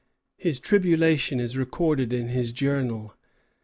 His tribulation is recorded in his Journal.